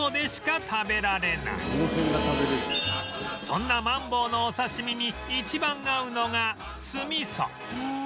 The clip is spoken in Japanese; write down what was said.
そんなマンボウのお刺し身に一番合うのが酢ミソ